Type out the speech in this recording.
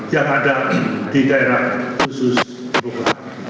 yang ada di daerah khusus perubahan